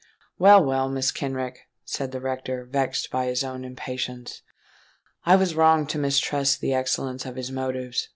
"Well, well, Mrs. Kenrick," said the rector, vexed at his own impatience: "I was wrong to mistrust the excellence of his motives.